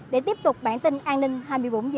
để tiếp tục bản tin an ninh hai mươi bốn h